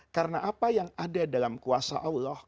karena apa yang ada dalam kuasa allah